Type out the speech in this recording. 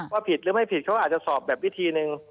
ผิดหรือไม่ผิดเขาอาจจะสอบแบบวิธีหนึ่ง